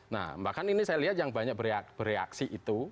nah bahkan ini saya lihat yang banyak bereaksi itu